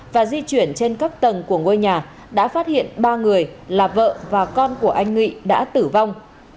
và di chuyển trên các tầng của ngôi nhà đã phát hiện ba người là vợ và con của anh nghị đã tử vong